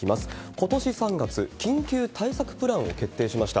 ことし３月、緊急対策プランを決定しました。